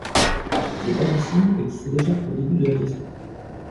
Les balancines existaient déjà aux débuts de l'aviation.